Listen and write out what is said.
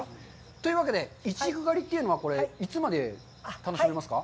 というわけで、いちじく狩りというのは、いつまで楽しめますか。